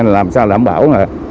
làm sao đảm bảo